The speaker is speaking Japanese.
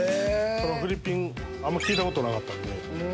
フィリピンあんま聞いたことなかったんで。